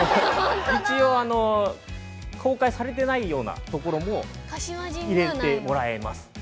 ◆一応、公開されていないようなところも入れてもらえます。